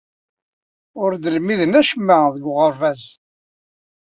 Ur d-lmiden acemma deg uɣerbaz.